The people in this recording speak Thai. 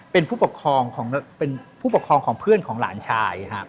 เป็นผู้ปกครองของเพื่อนของหลานชาย